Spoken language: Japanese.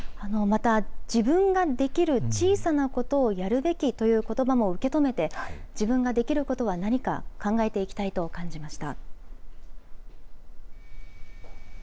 また、自分ができる小さなことをやるべきということばも受け止めて、自分ができることは何か、考えていきたいと感じました。